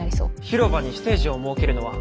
広場にステージを設けるのは？